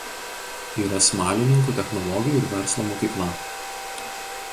Yra Smalininkų technologijų ir verslo mokykla.